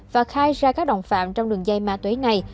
và khai ra các đồng phạm trong đường dây ma túy này